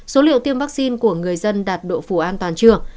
số liệu tiêm vaccine của người dân đạt độ phủ an toàn chưa